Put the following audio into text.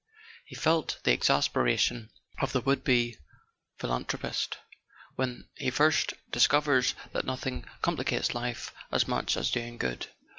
He felt the exasperation of the would be philan¬ thropist when he first discovers that nothing com¬ plicates life as much as doing good.